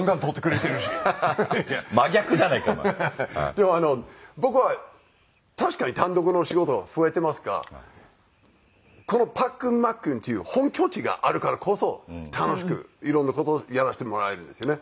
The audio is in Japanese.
でも僕は確かに単独のお仕事が増えていますがこのパックンマックンっていう本拠地があるからこそ楽しく色んな事やらせてもらえるんですよね。